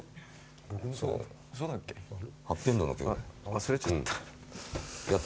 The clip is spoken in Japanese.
忘れちゃった。